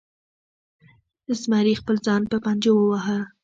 زمري خپل ځان په پنجو وواهه.